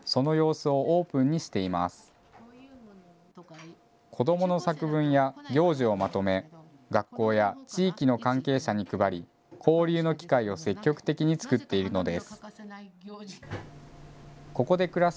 子どもの作文や行事をまとめ学校や地域の関係者に配り交流の機会を積極的に作っているのです。